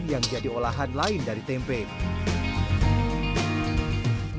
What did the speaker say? yang jadi olahan lain dari tempe